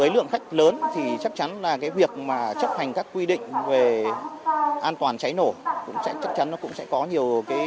với lượng khách lớn thì chắc chắn là cái việc mà chấp hành các quy định về an toàn cháy nổ cũng sẽ chắc chắn nó cũng sẽ có nhiều cái lơ là